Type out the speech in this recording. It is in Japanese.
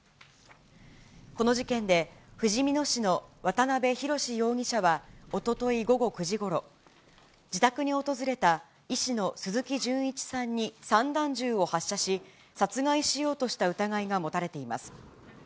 この事件で、ふじみ野市の渡辺宏容疑者はおととい午後９時ごろ、自宅に訪れた医師の鈴木純一さんに散弾銃を発射し、殺害しようとした疑いが持たれています。